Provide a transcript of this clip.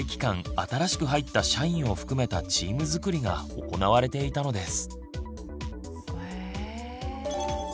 新しく入った社員を含めたチーム作りが行われていたのです。